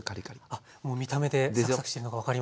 あっもう見た目でサクサクしてるのが分かります。